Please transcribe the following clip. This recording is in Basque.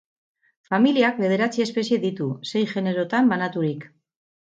Familiak bederatzi espezie ditu, sei generotan banaturik.